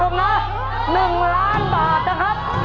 นะ๑ล้านบาทนะครับ